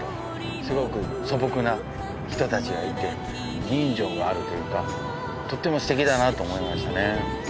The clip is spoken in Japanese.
すごく素朴な人たちがいて人情があるというかとってもすてきだなと思いましたね。